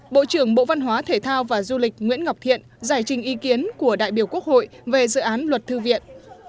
bộ trưởng bộ văn hóa thể thao và du lịch nguyễn ngọc thiện giải trình ý kiến của đại biểu quốc hội về dự án luật thư viện